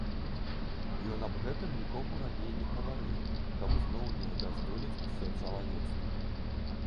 Ён аб гэтым нікому раней не гаварыў, каб зноў не абяздоліць усё чалавецтва.